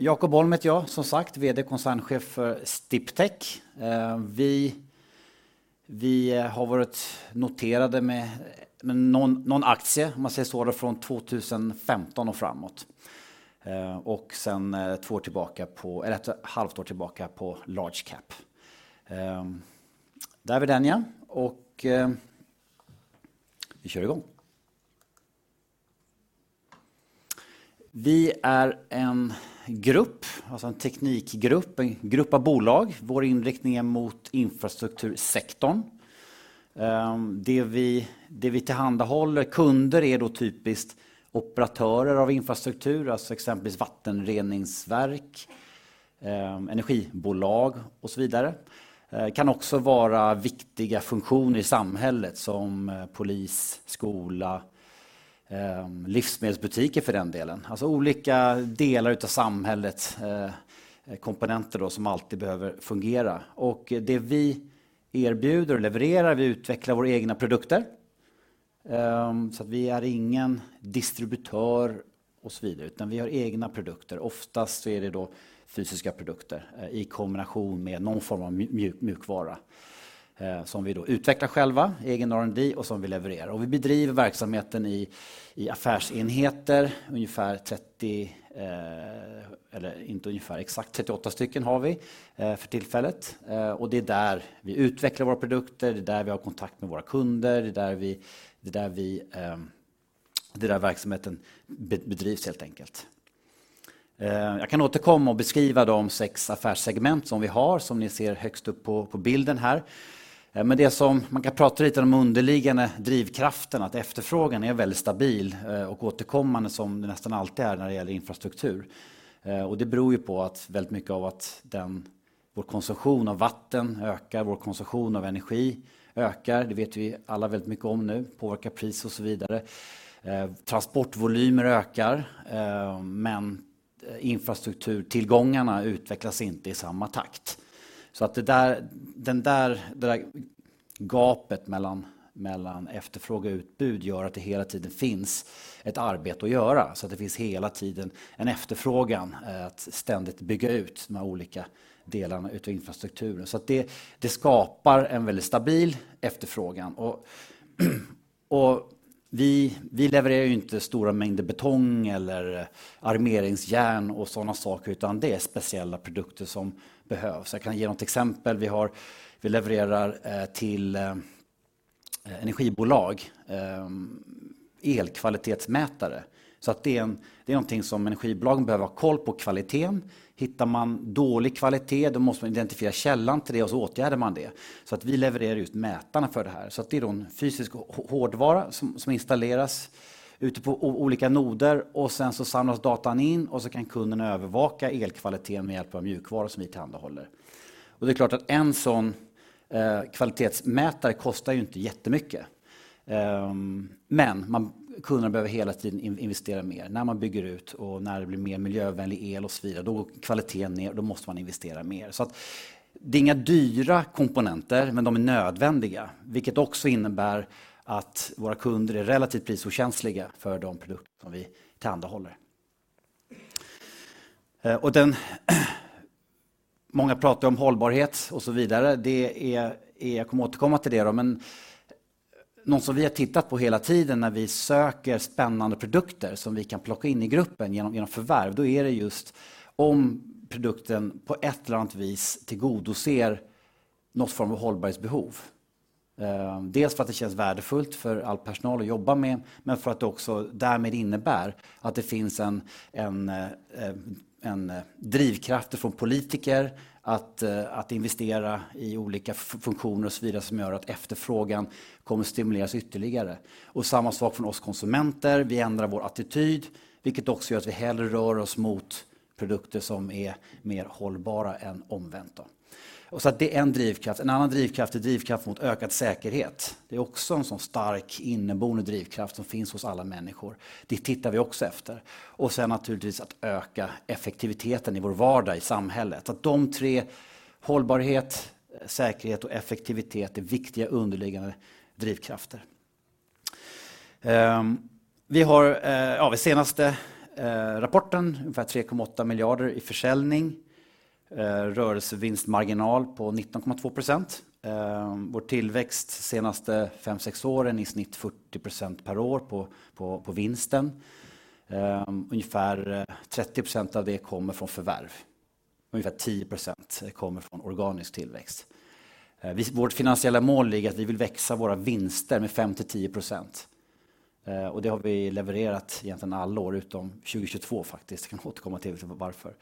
Jakob Holm heter jag som sagt, VD-koncernchef för Sdiptech. Vi har varit noterade med någon aktie om man säger so från 2015 och framåt. Sen 2 år tillbaka på, eller 1 halvår tillbaka på large-cap. Det är vi den ja. Vi kör i gång. Vi är en grupp, alltså en teknikgrupp, en grupp av bolag. Vår inriktning är mot infrastruktursektorn. Det vi tillhandahåller kunder är då typiskt operatörer av infrastruktur, alltså exempelvis vattenreningsverk, energibolag och so vidare. Kan också vara viktiga funktioner i samhället som polis, skola, livsmedelsbutiker för den delen. Alltså olika delar utav samhällets komponenter då som alltid behöver fungera. Det vi erbjuder och levererar, vi utvecklar vår egna produkter. Så att vi är ingen distributör och so vidare, utan vi har egna produkter. Oftast är det då fysiska produkter i kombination med någon form av mjukvara som vi då utvecklar själva, egen R&D och som vi levererar. Vi bedriver verksamheten i affärsenheter, ungefär 30, eller inte ungefär, exakt 38 stycken har vi för tillfället. Det är där vi utvecklar våra produkter, det är där vi har kontakt med våra kunder, det är där vi, det är där verksamheten bedrivs helt enkelt. Jag kan återkomma och beskriva de six affärssegment som vi har, som ni ser högst upp på bilden här. Det som man kan prata lite om underliggande drivkraften, att efterfrågan är väldigt stabil och återkommande som det nästan alltid är när det gäller infrastruktur. Det beror ju på att väldigt mycket av att den vår konsumtion av vatten ökar, vår konsumtion av energi ökar. Det vet vi alla väldigt mycket om nu, påverkar pris och så vidare. Transportvolymer ökar, infrastrukturtillgångarna utvecklas inte i samma takt. Det där gapet mellan efterfråga och utbud gör att det hela tiden finns ett arbete att göra. Det finns hela tiden en efterfrågan att ständigt bygga ut de här olika delarna utav infrastrukturen. Det skapar en väldigt stabil efterfrågan och vi levererar ju inte stora mängder betong eller armeringsjärn och sådana saker, utan det är speciella produkter som behövs. Jag kan ge något exempel. Vi levererar till energibolag, elkvalitetsmätare. Det är någonting som energibolagen behöver ha koll på kvaliteten. Hittar man dålig kvalitet, då måste man identifiera källan till det och så åtgärdar man det. Vi levererar ut mätarna för det här. Det är då en fysisk hårdvara som installeras ute på olika noder och sen så samlas datan in och så kan kunden övervaka elkvaliteten med hjälp av mjukvara som vi tillhandahåller. Det är klart att en sådan kvalitetsmätare kostar ju inte jättemycket. Kunderna behöver hela tiden investera mer. När man bygger ut och när det blir mer miljövänlig el och så vidare, då går kvaliteten ner, då måste man investera mer. Det är inga dyra komponenter, men de är nödvändiga, vilket också innebär att våra kunder är relativt prisokänsliga för de produkter som vi tillhandahåller. Många pratar om hållbarhet och så vidare. Det är, jag kommer återkomma till det då, men något som vi har tittat på hela tiden när vi söker spännande produkter som vi kan plocka in i gruppen genom förvärv, då är det just om produkten på ett eller annat vis tillgodoser något form av hållbarhetsbehov. Dels för att det känns värdefullt för all personal att jobba med, men för att det också därmed innebär att det finns en drivkraft ifrån politiker att investera i olika funktioner och så vidare som gör att efterfrågan kommer stimuleras ytterligare. Samma sak från oss konsumenter. Vi ändrar vår attityd, vilket också gör att vi hellre rör oss mot produkter som är mer hållbara än omvänt då. Det är en drivkraft. En annan drivkraft är drivkraft mot ökad säkerhet. Det är också en sådan stark inneboende drivkraft som finns hos alla människor. Det tittar vi också efter. Sen naturligtvis att öka effektiviteten i vår vardag i samhället. Att de tre: hållbarhet, säkerhet och effektivitet är viktiga underliggande drivkrafter. Vi har i senaste rapporten ungefär SEK 3.8 billion i försäljning, rörelsevinstmarginal på 19.2%. Vår tillväxt senaste 5-6 åren i snitt 40% per år på vinsten. Ungefär 30% av det kommer från förvärv. Ungefär 10% kommer från organisk tillväxt. Vårt finansiella mål ligger i att vi vill växa våra vinster med 5%-10%. Det har vi levererat egentligen alla år utom 2022 faktiskt. Jag kan återkomma till varför. Därför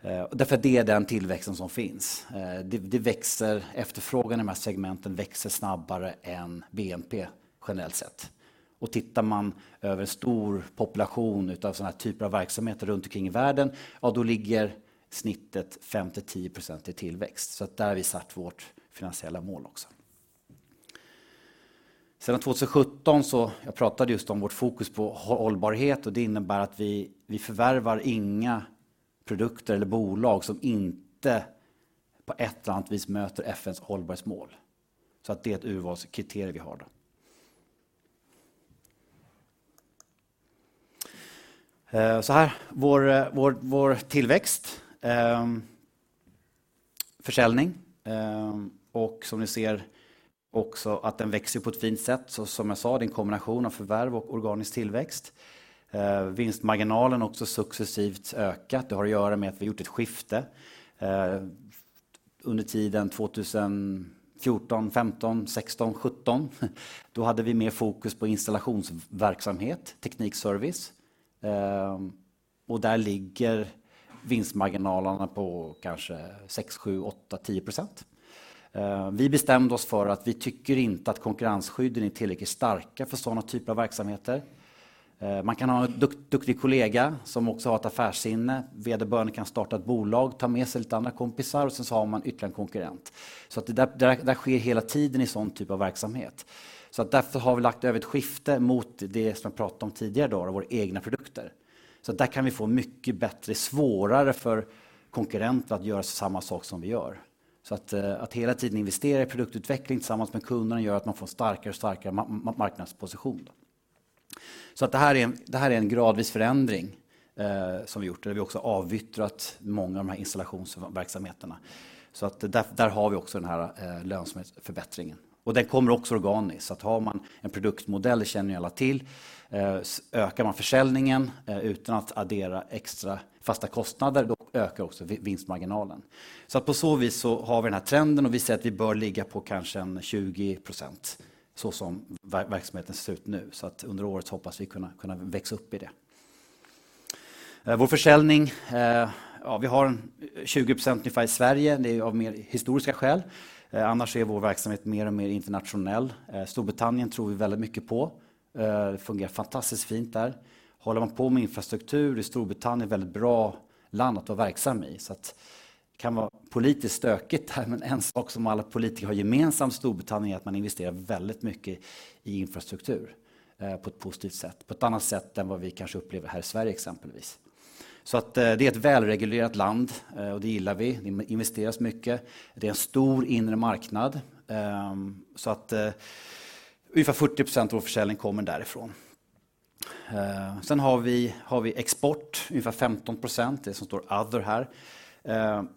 att det är den tillväxten som finns. Det växer, efterfrågan i de här segmenten växer snabbare än BNP generellt sett. Tittar man över en stor population utav sådana här typer av verksamheter runt omkring i världen, ja då ligger snittet 5%-10% i tillväxt. Det är där vi satt vårt finansiella mål också. 2017, jag pratade just om vårt fokus på hållbarhet och det innebär att vi förvärvar inga produkter eller bolag som inte på ett eller annat vis möter FN:s hållbarhetsmål. Det är ett urvalskriterie vi har då. Vår tillväxt, försäljning. Som ni ser också att den växer på ett fint sätt. Jag sa, det är en kombination av förvärv och organisk tillväxt. Vinstmarginalen har också successivt ökat. Har att göra med att vi har gjort ett skifte. Under tiden 2014, 2015, 2016, 2017. Då hade vi mer fokus på installationsverksamhet, teknikservice. Där ligger vinstmarginalerna på kanske 6%, 7%, 8%, 10%. Vi bestämde oss för att vi tycker inte att konkurrensskydden i tillräcklig är starka för sådana typer av verksamheter. Man kan ha en duktig kollega som också har ett affärssinne. VD-barnen kan starta ett bolag, ta med sig lite andra kompisar och sen så har man ytterligare en konkurrent. Det sker hela tiden i sådan typ av verksamhet. Därför har vi lagt över ett skifte mot det som jag pratade om tidigare i dag, våra egna produkter. Där kan vi få mycket bättre, svårare för konkurrenter att göra samma sak som vi gör. Att hela tiden investera i produktutveckling tillsammans med kunderna gör att man får starkare och starkare marknadsposition. Det här är en gradvis förändring som vi har gjort. Vi har också avyttrat många av de här installationsverksamheterna. Där har vi också den här lönsamhetsförbättringen. Den kommer också organisk. Har man en produktmodell, det känner ju alla till, ökar man försäljningen utan att addera extra fasta kostnader, då ökar också vinstmarginalen. På så vis så har vi den här trenden och vi ser att vi bör ligga på kanske en 20% så som verksamheten ser ut nu. Under året hoppas vi kunna växa upp i det. Vår försäljning, ja, vi har 20% ungefär i Sverige. Det är av mer historiska skäl. Annars är vår verksamhet mer och mer internationell. Storbritannien tror vi väldigt mycket på. Fungerar fantastiskt fint där. Håller man på med infrastruktur i Storbritannien, väldigt bra land att vara verksam i. Det kan vara politiskt stökigt där, men en sak som alla politiker har gemensamt i Storbritannien är att man investerar väldigt mycket i infrastruktur på ett positivt sätt, på ett annat sätt än vad vi kanske upplever här i Sverige exempelvis. Det är ett välreglerat land och det gillar vi. Det investeras mycket. Det är en stor inre marknad. Ungefär 40% av vår försäljning kommer därifrån. Sen har vi export, ungefär 15%. Det som står other här.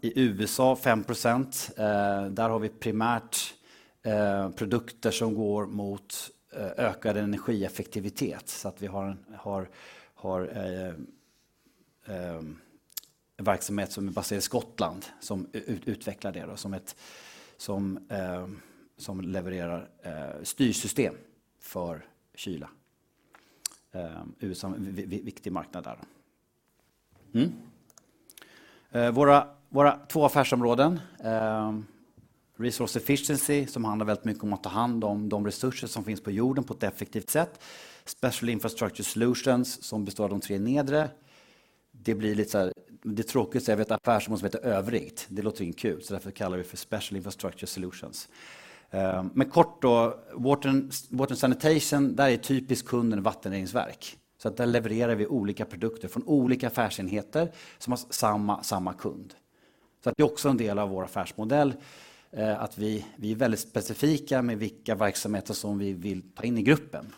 I USA 5%. Där har vi primärt produkter som går mot ökad energieffektivitet. Vi har en, har en verksamhet som är baserad i Skottland som utvecklar det då, som ett, som levererar styrsystem för kyla. USA, viktig marknad där då. Våra 2 affärsområden. Resource Efficiency som handlar väldigt mycket om att ta hand om de resurser som finns på jorden på ett effektivt sätt. Special Infrastructure Solutions som består av de tre nedre. Det blir lite så här, det är tråkigt att säga, vi har ett affärsområde som heter Övrigt. Det låter inte kul, därför kallar vi det för Special Infrastructure Solutions. Men kort då, Water Sanitation, där är typiskt kunden vattenreningsverk. Där levererar vi olika produkter från olika affärsenheter som har samma kund. Det är också en del av vår affärsmodell, att vi är väldigt specifika med vilka verksamheter som vi vill ta in i gruppen.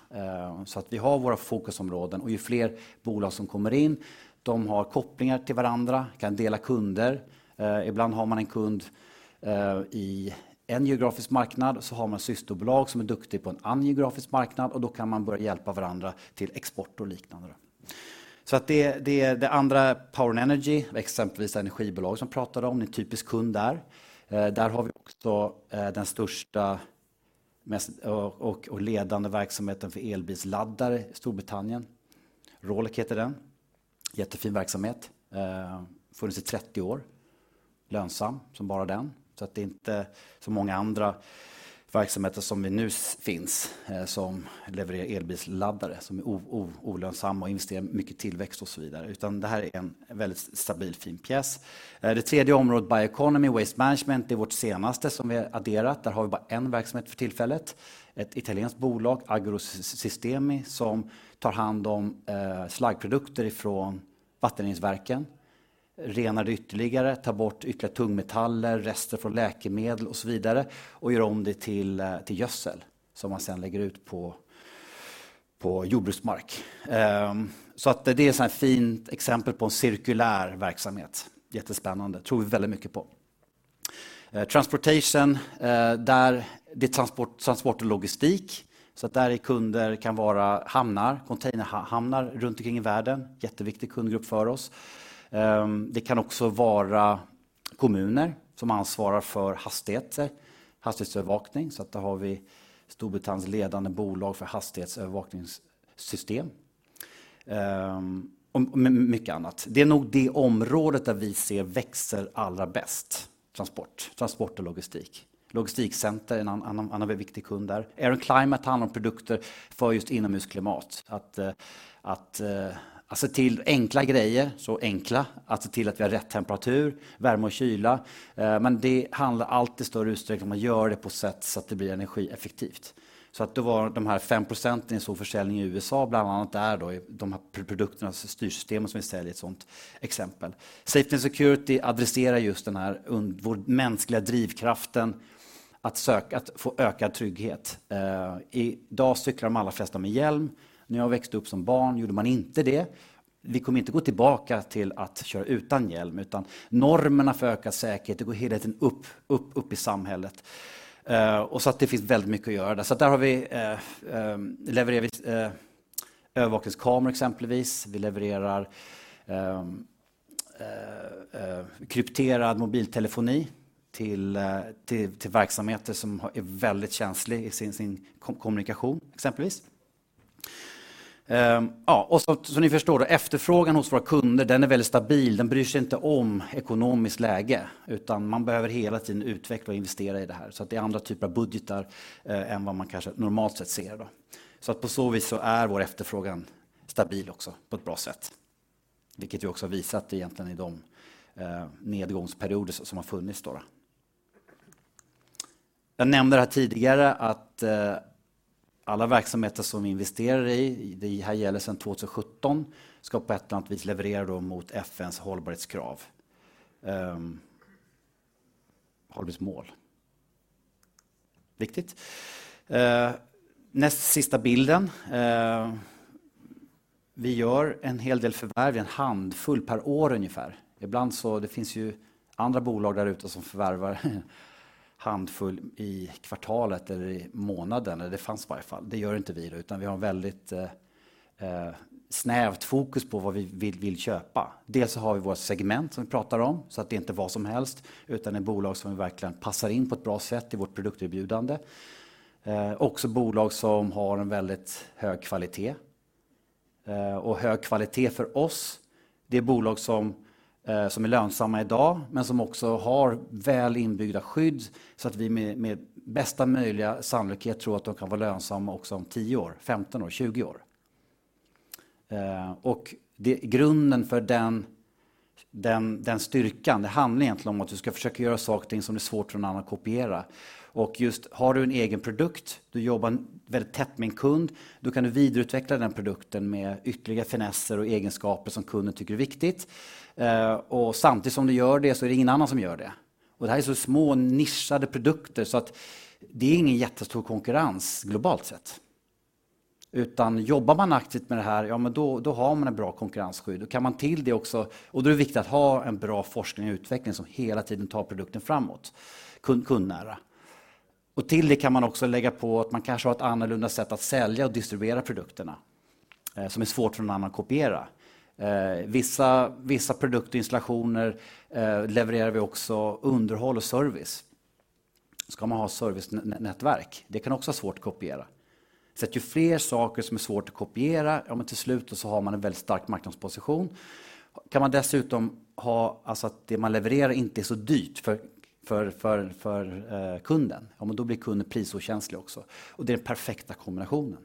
Vi har våra fokusområden och ju fler bolag som kommer in, de har kopplingar till varandra, kan dela kunder. Ibland har man en kund i en geografisk marknad, så har man systerbolag som är duktig på en annan geografisk marknad och då kan man börja hjälpa varandra till export och liknande då. Det andra är Power & Energy, exempelvis energibolag som pratade om, det är en typisk kund där. Där har vi också den största och ledande verksamheten för elbilsladdare i Storbritannien. Rolec heter den. Jättefin verksamhet. Funnits i 30 år. Lönsam som bara den. Det är inte så många andra verksamheter som vi nu finns som levererar elbilsladdare, som är olönsamma och investerar mycket i tillväxt och så vidare. Det här är en väldigt stabil, fin pjäs. Det tredje området, Bioeconomy & Waste management, det är vårt senaste som vi har adderat. Där har vi bara en verksamhet för tillfället. Ett italienskt bolag, Agrosistemi, som tar hand om slaggprodukter ifrån vattenreningsverken, renar det ytterligare, tar bort ytterligare tungmetaller, rester från läkemedel och så vidare och gör om det till gödsel som man sedan lägger ut på jordbruksmark. Det är ett sånt här fint exempel på en cirkulär verksamhet. Jättespännande, tror vi väldigt mycket på. Transportation, där, det är transport och logistik. Där är kunder kan vara hamnar, containerhamnar runt omkring i världen. Jätteviktig kundgrupp för oss. Det kan också vara kommuner som ansvarar för hastigheter, hastighetsövervakning. Där har vi Storbritanniens ledande bolag för hastighetsövervakningssystem. Och mycket annat. Det är nog det området där vi ser växer allra bäst. Transport och logistik. Logistikcenter är en annan viktig kund där. Air and Climate handlar om produkter för just inomhusklimat. Att se till enkla grejer, så enkla, att se till att vi har rätt temperatur, värme och kyla. Det handlar i allt större utsträckning om att man gör det på sätt så att det blir energieffektivt. Då var de här 5% i försäljning i USA bland annat där då, de här produkterna, styrsystemen som vi säljer är ett sådant exempel. Safety & Security adresserar just den här vår mänskliga drivkraften att söka, få ökad trygghet. I dag cyklar de allra flesta med hjälm. När jag växte upp som barn gjorde man inte det. Vi kommer inte gå tillbaka till att köra utan hjälm, utan normerna för ökad säkerhet, det går hela tiden upp, upp i samhället. Det finns väldigt mycket att göra där. Där har vi levererar vi övervakningskameror exempelvis. Vi levererar krypterad mobiltelefoni till verksamheter som är väldigt känslig i sin kommunikation exempelvis. Ja som ni förstår då, efterfrågan hos våra kunder, den är väldigt stabil. Den bryr sig inte om ekonomiskt läge, utan man behöver hela tiden utveckla och investera i det här. Det är andra typer av budgetar än vad man kanske normalt sett ser då. På så vis så är vår efterfrågan stabil också på ett bra sätt, vilket vi också har visat egentligen i de nedgångsperioder som har funnits då. Jag nämnde det här tidigare att alla verksamheter som vi investerar i, det här gäller sedan 2017, ska på ett eller annat vis leverera mot FN:s hållbarhetskrav. Hållbarhetsmål. Viktigt. Näst sista bilden. Vi gör en hel del förvärv, en handfull per år ungefär. Ibland, det finns ju andra bolag där ute som förvärvar en handfull i kvartalet eller i månaden. Det fanns i varje fall. Det gör inte vi då, utan vi har ett väldigt snävt fokus på vad vi vill köpa. Dels har vi vårt segment som vi pratar om, så att det är inte vad som helst, utan ett bolag som verkligen passar in på ett bra sätt i vårt produkerbjudande. Också bolag som har en väldigt hög kvalitet. Hög kvalitet för oss. Det är bolag som är lönsamma i dag, men som också har väl inbyggda skydd så att vi med bästa möjliga sannolikhet tror att de kan vara lönsamma också om 10 år, 15 år, 20 år. Grunden för den styrkan, det handlar egentligen om att du ska försöka göra saker och ting som är svårt för någon annan att kopiera. Just har du en egen produkt, du jobbar väldigt tätt med en kund, då kan du vidareutveckla den produkten med ytterligare finesser och egenskaper som kunden tycker är viktigt. Samtidigt som du gör det så är det ingen annan som gör det. Det här är så små nischade produkter så att det är ingen jättestor konkurrens globalt sett. Jobbar man aktivt med det här, ja men då har man ett bra konkurrensskydd. Då kan man till det också. Då är det viktigt att ha en bra forskning och utveckling som hela tiden tar produkten framåt. Kundnära. Till det kan man också lägga på att man kanske har ett annorlunda sätt att sälja och distribuera produkterna, som är svårt för någon annan att kopiera. Vissa produktinstallationer levererar vi också underhåll och service. Ska man ha servicenätverk, det kan också vara svårt att kopiera. Ju fler saker som är svårt att kopiera, ja men till slut då så har man en väldigt stark marknadsposition. Kan man dessutom ha, alltså att det man levererar inte är så dyrt för kunden, ja men då blir kunden prisokänslig också. Det är den perfekta kombinationen.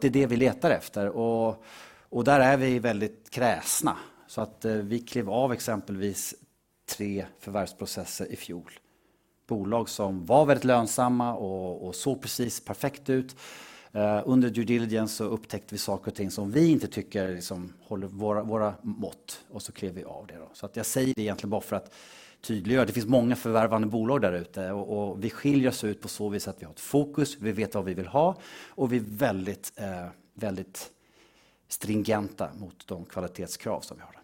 Det är det vi letar efter och där är vi väldigt kräsna. Vi klev av exempelvis tre förvärvsprocesser i fjol. Bolag som var väldigt lönsamma och såg precis perfekt ut. Under due diligence upptäckte vi saker och ting som vi inte tycker liksom håller våra mått, klev vi av det då. Jag säger det egentligen bara för att tydliggöra. Det finns många förvärvande bolag där ute och vi skiljer oss ut på så vis att vi har ett fokus, vi vet vad vi vill ha och vi är väldigt stringenta mot de kvalitetskrav som vi har.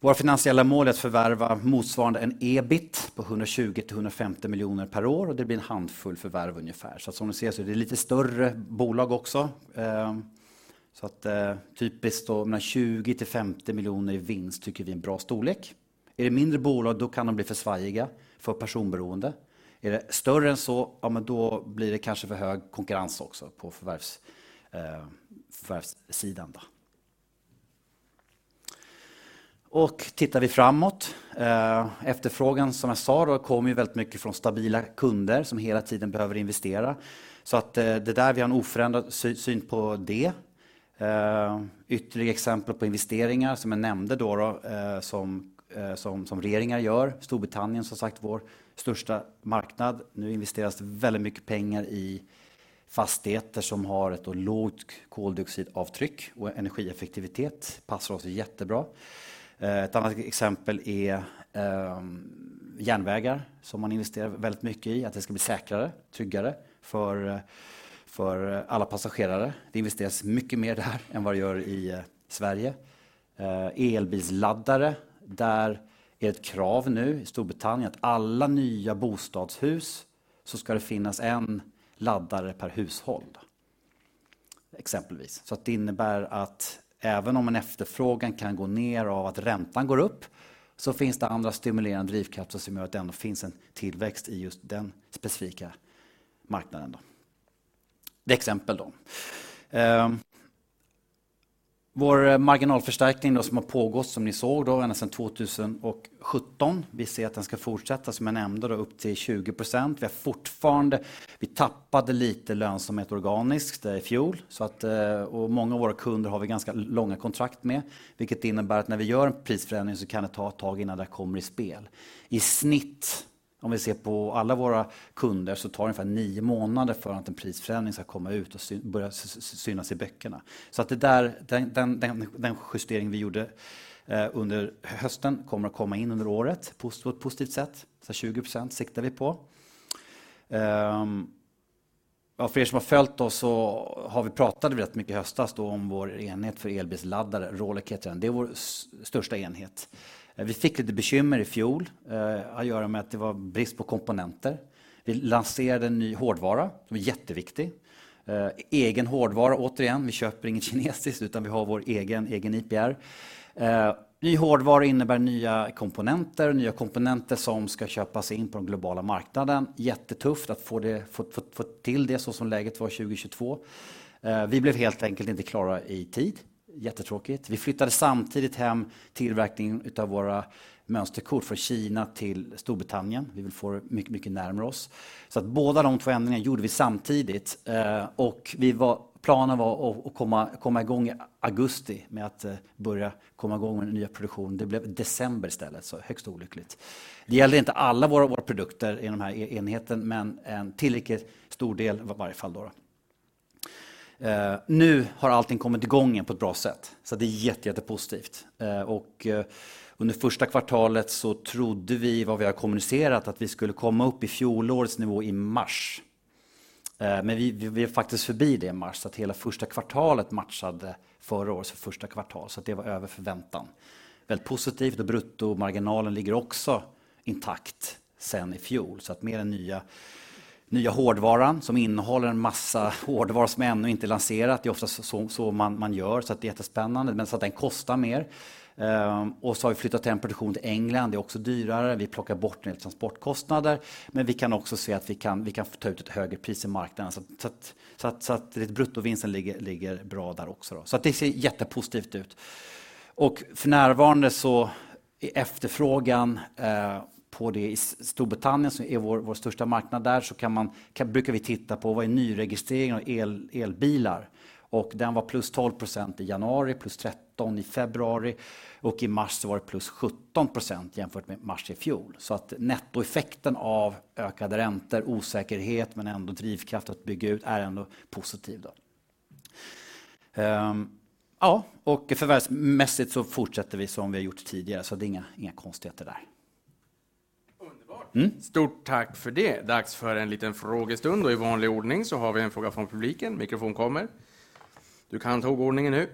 Våra finansiella mål är att förvärva motsvarande en EBIT på SEK 120 million-SEK 150 million per år. Det blir en handfull förvärv ungefär. Som ni ser så är det lite större bolag också. Typiskt då mellan SEK 20 million-SEK 50 million i vinst tycker vi är en bra storlek. Är det mindre bolag, då kan de bli för svajiga, för personberoende. Är det större än så, ja men då blir det kanske för hög konkurrens också på förvärvssidan då. Tittar vi framåt. Efterfrågan som jag sa då kommer ju väldigt mycket från stabila kunder som hela tiden behöver investera. Det där, vi har en oförändrad syn på det. Ytterligare exempel på investeringar som jag nämnde då, som regeringen gör. Storbritannien som sagt, vår största marknad. Nu investeras det väldigt mycket pengar i fastigheter som har ett då lågt koldioxidavtryck och energieffektivitet. Passar oss jättebra. Ett annat exempel är, järnvägar som man investerar väldigt mycket i, att det ska bli säkrare, tryggare för alla passagerare. Det investeras mycket mer där än vad det gör i Sverige. elbilsladdare, där är ett krav nu i Storbritannien att alla nya bostadshus så ska det finnas en laddare per hushåll, exempelvis. Det innebär att även om en efterfrågan kan gå ner av att räntan går upp, så finns det andra stimulerande drivkrafter som gör att det ändå finns en tillväxt i just den specifika marknaden. Det är exempel då. Vår marginalförstärkning då som har pågått som ni såg då ända sedan 2017. Vi ser att den ska fortsätta som jag nämnde då upp till 20%. Vi tappade lite lönsamhet organiskt i fjol. Många av våra kunder har vi ganska långa kontrakt med, vilket innebär att när vi gör en prisförändring så kan det ta ett tag innan det kommer i spel. Om vi ser på alla våra kunder så tar det ungefär nine months för att en prisförändring ska komma ut och syn, börja synas i böckerna. Det där, den justeringen vi gjorde under hösten kommer att komma in under året på ett positivt sätt. 20% siktar vi på. Ja, för er som har följt oss så har vi pratat rätt mycket i höstas då om vår enhet för elbilsladdare. Rolec heter den. Det är vår största enhet. Vi fick lite bekymmer i fjol att göra med att det var brist på komponenter. Vi lanserade en ny hårdvara. Det var jätteviktigt. Egen hårdvara återigen. Vi köper ingen kinesisk, utan vi har vår egen IPR. Ny hårdvara innebär nya komponenter som ska köpas in på den globala marknaden. Jättetufft att få det till det så som läget var 2022. Vi blev helt enkelt inte klara i tid. Jättetråkigt. Vi flyttade samtidigt hem tillverkningen utav våra mönsterkort från Kina till Storbritannien. Vi vill få det mycket närmare oss. Båda de två ändringar gjorde vi samtidigt. Planen var att komma i gång i augusti med att börja komma i gång med den nya produktionen. Det blev december istället, så högst olyckligt. Det gällde inte alla våra produkter i de här enheten, men en tillräckligt stor del var i varje fall då. Nu har allting kommit i gång igen på ett bra sätt. Det är jättepositivt. Under första kvartalet så trodde vi vad vi har kommunicerat att vi skulle komma upp i fjolårets nivå i mars. Vi är faktiskt förbi det i mars. Att hela första kvartalet matchade förra årets första kvartal. Det var över förväntan. Väldigt positivt och bruttomarginalen ligger också intakt sedan i fjol. Med den nya hårdvaran som innehåller en massa hårdvara som ännu inte är lanserad. Det är oftast så man gör. Det är jättespännande. Den kostar mer. Vi har flyttat hem produktion till England. Det är också dyrare. Vi plockar bort en del transportkostnader, men vi kan också se att vi kan ta ut ett högre pris i marknaden. Bruttovinsten ligger bra där också. Det ser jättepositivt ut. För närvarande så är efterfrågan på det i Storbritannien som är vår största marknad där, brukar vi titta på vad är nyregistrering av elbilar. Den var +12% i januari, +13% i februari och i mars så var det +17% jämfört med mars i fjol. Nettoeffekten av ökade räntor, osäkerhet men ändå drivkraft att bygga ut är ändå positiv då. Ja, förvärvsmässigt fortsätter vi som vi har gjort tidigare. Det är inga konstigheter där. Underbart. Stort tack för det. Dags för en liten frågestund. I vanlig ordning så har vi en fråga från publiken. Mikrofon kommer. Du kan tog ordningen nu.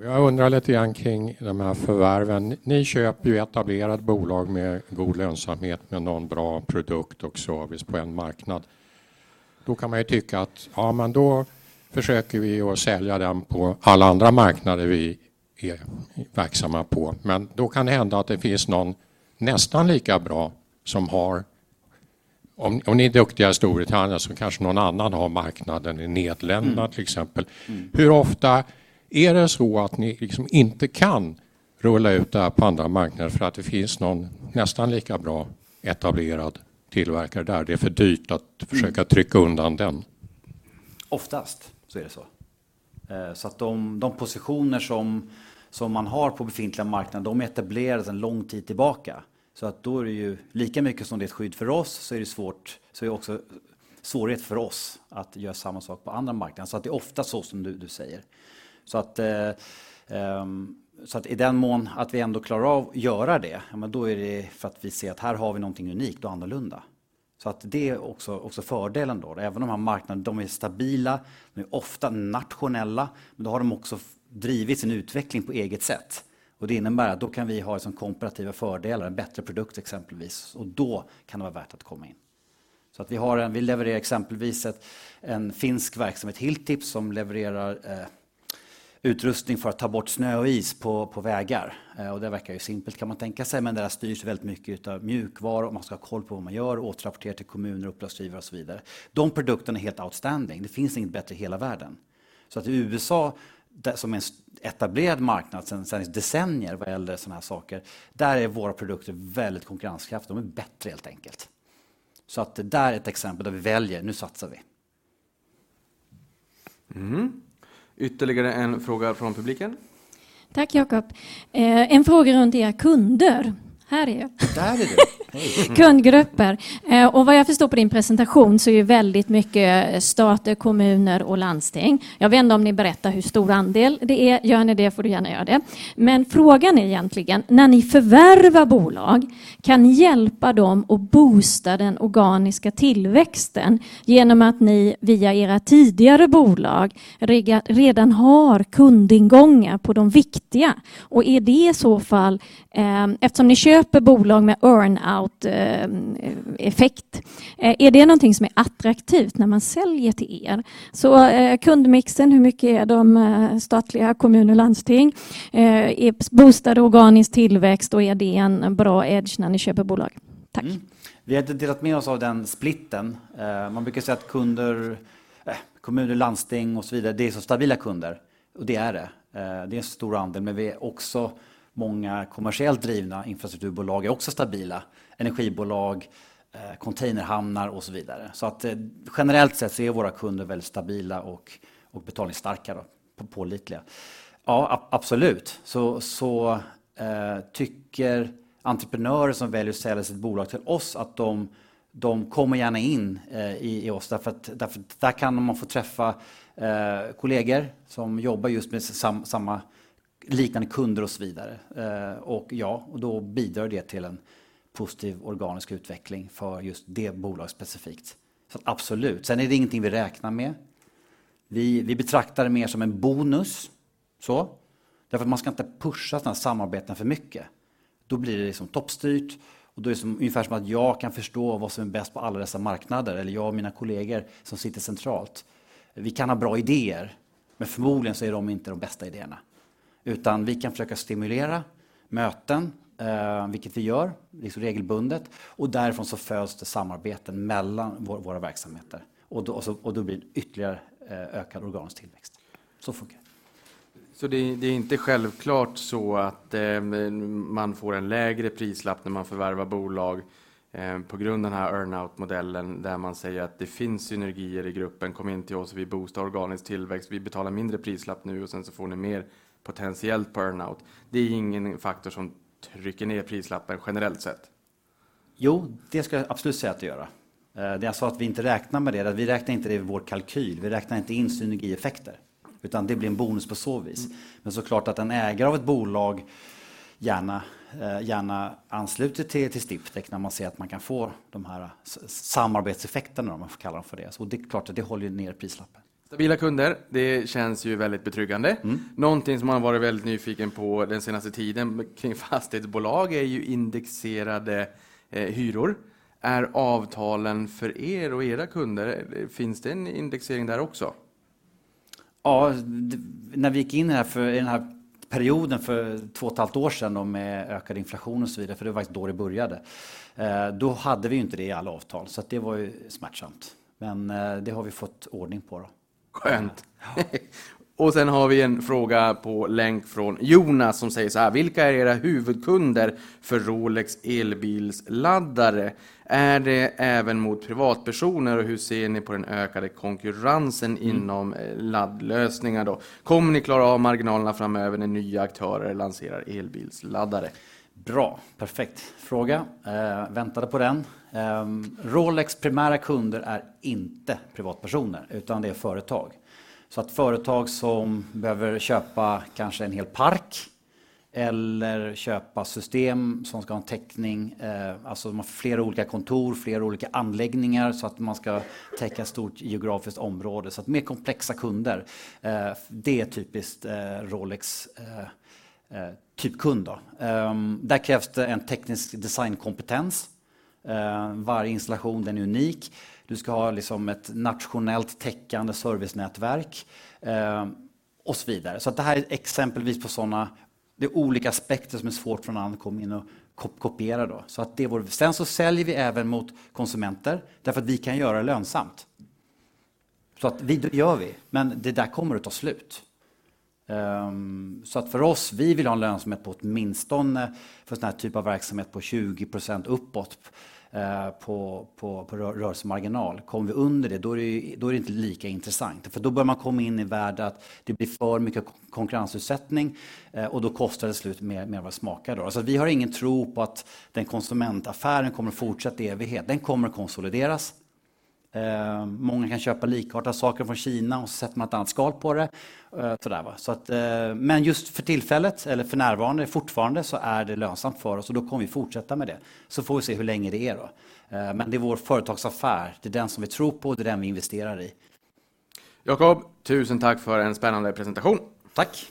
Jag undrar lite grann kring de här förvärven. Ni köper ju etablerat bolag med god lönsamhet, med någon bra produkt och service på en marknad. Kan man ju tycka att ja men då försöker vi att sälja den på alla andra marknader vi är verksamma på. Då kan det hända att det finns någon nästan lika bra som har... Om ni är duktiga i Storbritannien så kanske någon annan har marknaden i Nederländerna till exempel. Hur ofta är det så att ni liksom inte kan rulla ut det här på andra marknader för att det finns någon nästan lika bra etablerad tillverkare där? Det är för dyrt att försöka trycka undan den. Oftast så är det så. De positioner som man har på befintliga marknader, de etablerades en lång tid tillbaka. Då är det ju lika mycket som det är ett skydd för oss, så är det svårt, så är det också svårighet för oss att göra samma sak på andra marknader. Det är ofta så som du säger. I den mån att vi ändå klarar av att göra det, ja men då är det för att vi ser att här har vi någonting unikt och annorlunda. Det är också fördelen då. Även de här marknader, de är stabila, de är ofta nationella, men då har de också drivit sin utveckling på eget sätt. Det innebär att då kan vi ha liksom kooperativa fördelar, en bättre produkt exempelvis. Då kan det vara värt att komma in. Vi har en, vi levererar exempelvis en finsk verksamhet, Hilltip, som levererar utrustning för att ta bort snö och is på vägar. Det verkar ju simpelt kan man tänka sig, men det här styrs väldigt mycket utav mjukvaror. Man ska ha koll på vad man gör, återrapportera till kommuner, uppdragsgivare och så vidare. De produkterna är helt outstanding. Det finns inget bättre i hela världen. I USA, där, som är en etablerad marknad sedan decennier vad gäller sådana här saker, där är våra produkter väldigt konkurrenskraftiga. De är bättre helt enkelt. Det där är ett exempel där vi väljer, nu satsar vi. Ytterligare en fråga från publiken. Tack Jakob. En fråga runt era kunder. Här är jag. Där är du. Hej. Kundgrupper. Vad jag förstår på din presentation så är ju väldigt mycket stater, kommuner och landsting. Jag vet inte om ni berättar hur stor andel det är. Gör ni det får du gärna göra det. Frågan är egentligen, när ni förvärvar bolag, kan ni hjälpa dem att boosta den organiska tillväxten genom att ni via era tidigare bolag redan har kundingångar på de viktiga? Är det i så fall, eftersom ni köper bolag med earn-out effect, är det någonting som är attraktivt när man säljer till er? Kundmixen, hur mycket är de statliga kommuner och landsting? Boostad organisk tillväxt, då är det en bra edge när ni köper bolag? Tack. Vi har inte delat med oss av den splitten. Man brukar säga att kunder, kommuner, landsting och så vidare, det är så stabila kunder. Det är det. Det är en stor andel, men vi är också många kommersiellt drivna infrastrukturbolag är också stabila. Energibolag, containerhamnar och så vidare. Så att generellt sett så är våra kunder väldigt stabila och betalningsstarka då, pålitliga. Ja, absolut. Tycker entreprenörer som väljer att sälja sitt bolag till oss att de kommer gärna in i oss. Därför att där kan de få träffa kollegor som jobbar just med samma, liknande kunder och så vidare. Ja, då bidrar det till en positiv organisk utveckling för just det bolaget specifikt. Absolut. Sen är det ingenting vi räknar med. Vi betraktar det mer som en bonus. Därför att man ska inte pusha sådana här samarbeten för mycket. blir det liksom toppstyrt och då är det ungefär som att jag kan förstå vad som är bäst på alla dessa marknader. Jag och mina kollegor som sitter centralt. Vi kan ha bra idéer, men förmodligen så är de inte de bästa idéerna. Vi kan försöka stimulera möten, vilket vi gör, liksom regelbundet. Därifrån så föds det samarbeten mellan våra verksamheter och då blir det ytterligare ökad organisk tillväxt. funkar det. Det är inte självklart så att man får en lägre prislapp när man förvärvar bolag på grund av den här earn-out-modellen där man säger att det finns synergier i gruppen. Kom in till oss, vi boostar organisk tillväxt, vi betalar mindre prislapp nu och sen så får ni mer potentiellt på earn-out. Det är ingen faktor som trycker ner prislappen generellt sett. Det skulle jag absolut säga att det gör. Det jag sa att vi inte räknar med det, är att vi räknar inte det i vår kalkyl. Vi räknar inte in synergieffekter, utan det blir en bonus på så vis. Klart att en ägare av ett bolag gärna ansluter to Sdiptech när man ser att man kan få de här samarbetseffekterna om man får kalla dem för det. Det är klart att det håller ju ner prislappen. Stabila kunder, det känns ju väldigt betryggande. Någonting som man har varit väldigt nyfiken på den senaste tiden kring fastighetsbolag är ju indexerade hyror. Är avtalen för er och era kunder, finns det en indexering där också? Ja, när vi gick in i den här perioden för 2.5 år sedan med ökad inflation och så vidare, för det var faktiskt då det började. Då hade vi inte det i alla avtal. Det var ju smärtsamt. Det har vi fått ordning på då. Skönt. Sen har vi en fråga på länk från Jonas som säger såhär: Vilka är era huvudkunder för Rolec elbilsladdare? Är det även mot privatpersoner? Hur ser ni på den ökade konkurrensen inom laddlösningar då? Kommer ni klara av marginalerna framöver när nya aktörer lanserar elbilsladdare? Bra, perfekt fråga. Väntade på den. Rolec primära kunder är inte privatpersoner utan det är företag. Företag som behöver köpa kanske en hel park eller köpa system som ska ha en täckning. Alltså de har flera olika kontor, flera olika anläggningar så att man ska täcka ett stort geografiskt område. Mer komplexa kunder, det är typiskt Rolec typ kund då. Där krävs det en teknisk designkompetens. Varje installation, den är unik. Du ska ha liksom ett nationellt täckande servicenätverk, och så vidare. Det här är exempel på sådana, det är olika aspekter som är svårt för någon annan att komma in och kopiera då. Säljer vi även mot konsumenter därför att vi kan göra det lönsamt. Det gör vi, men det där kommer att ta slut. För oss, vi vill ha en lönsamhet på åtminstone för sådan här typ av verksamhet på 20% uppåt på rörelsemarginal. Kommer vi under det, då är det inte lika intressant. Då börjar man komma in i värde att det blir för mycket konkurrensutsättning och då kostar det slut mer än vad det smakar då. Vi har ingen tro på att den konsumentaffären kommer att fortsätta i evighet. Den kommer att konsolideras. Många kan köpa likartade saker från Kina och så sätter man ett annat skal på det. Sådär va. Just för tillfället eller för närvarande, fortfarande så är det lönsamt för oss och då kommer vi fortsätta med det. Får vi se hur länge det är då. Det är vår företagsaffär, det är den som vi tror på och det är den vi investerar i. Jacob, 1,000 tack för en spännande presentation. Tack!